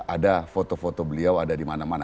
ada foto foto beliau ada di mana mana